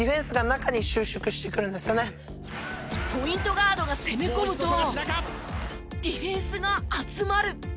ガードが攻め込むとディフェンスが集まる。